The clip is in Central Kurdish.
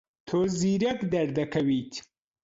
تۆ زیرەک دەردەکەویت.